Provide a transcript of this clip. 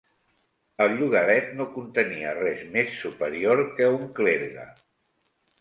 El llogaret no contenia res més superior que un clergue.